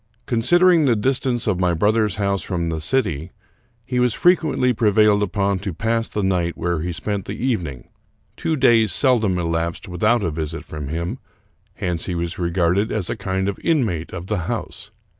Considering the distance of my brother's house from the city, he was frequently prevailed upon to pass the night where he spent the evening. Two days seldom elapsed without a visit from him; hence he was regarded as a kind of inmate of the house.